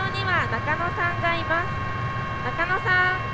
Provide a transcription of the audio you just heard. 中野さん。